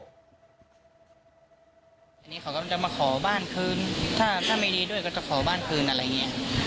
อันนี้เขาก็จะมาขอบ้านคืนถ้าไม่ดีด้วยก็จะขอบ้านคืนอะไรอย่างนี้